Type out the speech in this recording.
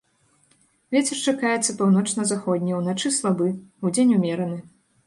Вецер чакаецца паўночна-заходні, уначы слабы, удзень умераны.